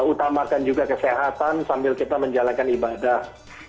utamakan juga kesehatan sambil kita menjalankan ibadah